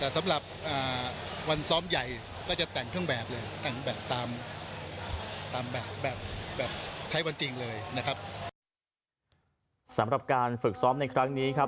สำหรับการฝึกซ้อมในครั้งนี้ครับ